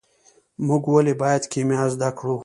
موږ ولې باید کیمیا زده کړو.